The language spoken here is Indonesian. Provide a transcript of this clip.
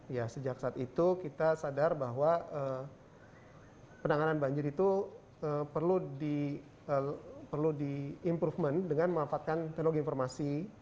ya sejak saat itu kita sadar bahwa penanganan banjir itu perlu di improvement dengan memanfaatkan teknologi informasi